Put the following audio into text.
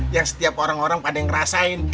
yang setiap orang orang pada yang ngerasain